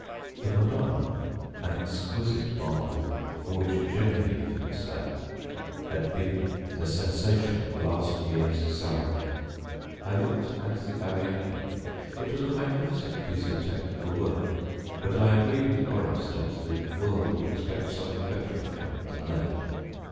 The "Madonna," an exquisite marble for which Geneviève had sat, had been the sensation of last year's Salon. I looked at the Ariadne. It was a magnificent piece of technical work, but I agreed with Boris that the world would expect something better of him than that.